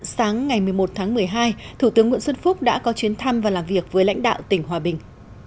sáng ngày một mươi một tháng một mươi hai thủ tướng nguyễn xuân phúc đã có chuyến thăm và làm việc với lãnh đạo tỉnh hòa bình